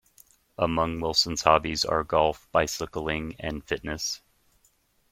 Among Wilson's hobbies are golf, bicycling, and fitness.